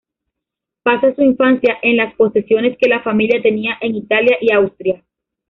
Pasa su infancia en las posesiones que la familia tenía en Italia y Austria.